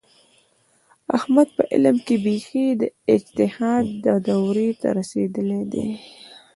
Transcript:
احمد په علم کې بیخي د اجتهاد دورې ته رسېدلی دی.